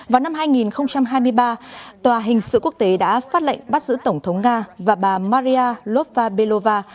vào năm hai nghìn hai mươi ba tòa hình sự quốc tế đã phát lệnh bắt giữ tổng thống nga và bà maria lovabellova